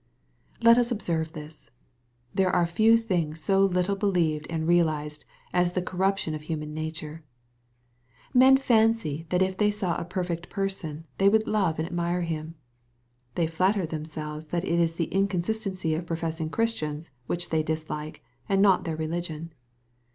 • Let us observe this. There are few things so little beUeved and realized as the corruption of human nature. Men fancy that if they saw a perfect person, they would love and admire him. They flatter themselves that it is the inconsistency of professing Christians which they dis like, and not their religion.